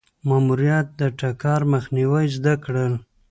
ماموریت د ټکر مخنیوی زده کړل.